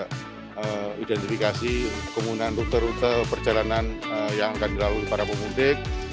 dan identifikasi kegunaan rute rute perjalanan yang akan dilalui para pemudik